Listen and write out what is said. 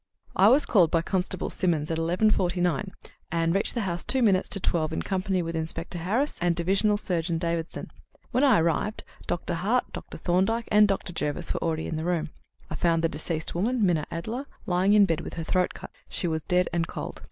"I was called by Constable Simmonds at eleven forty nine, and reached the house at two minutes to twelve in company with Inspector Harris and Divisional Surgeon Davidson. When I arrived Dr. Hart, Dr. Thorndyke, and Dr. Jervis were already in the room. I found the deceased woman, Minna Adler, lying in bed with her throat cut. She was dead and cold.